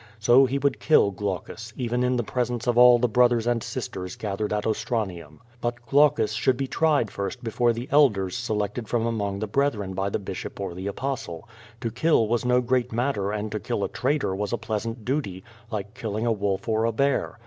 So he would kill Glaucus, even in the presence of all the brothers and sisters gathered at Ostra nium. But Glaucus should be tried first before the elders se lected from among the brethren by the bishop or the Apostle. To kill was no great matter and to kill a traitor was a pleasant duty, like killing a wolf or a bear.